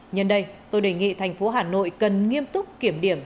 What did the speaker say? nhân đây tôi đề nghị thành phố hà nội cần nghiêm túc kiểm điểm